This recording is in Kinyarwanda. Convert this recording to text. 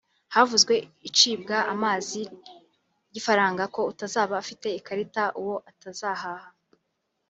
Havuzwe icibwa amazi ry’ifaranga ko utazaba afite ikarita uwo atazahaha